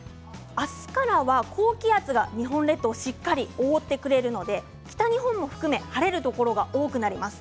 明日からは高気圧が日本列島をしっかり覆ってくれるので北日本も含め晴れるところが多くなります。